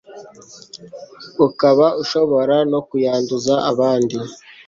ukaba ushobora no kuyanduza abandi